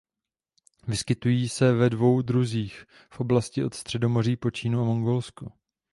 Vyskytují se ve dvou druzích v oblasti od Středomoří po Čínu a Mongolsko.